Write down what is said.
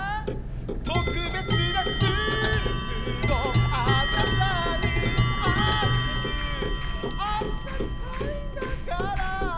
「特別なスープをあなたにあげる」「あったかいんだからぁ」